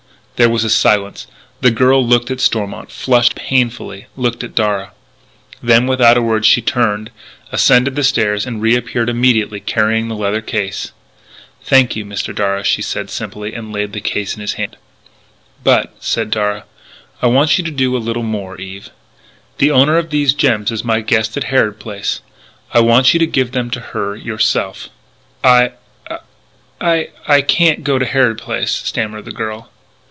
There was a silence. The girl looked at Stormont, flushed painfully, looked at Darragh. Then, without a word, she turned, ascended the stairs, and reappeared immediately carrying the leather case. "Thank you, Mr. Darragh," she said simply; and laid the case in his hand. "But," said Darragh, "I want you to do a little more, Eve. The owner of these gems is my guest at Harrod Place. I want you to give them to her yourself." "I I can't go to Harrod Place," stammered the girl.